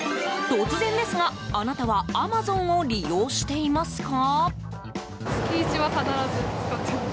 突然ですが、あなたはアマゾンを利用していますか？